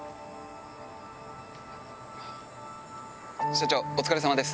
社長お疲れさまです。